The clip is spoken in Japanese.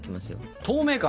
透明感。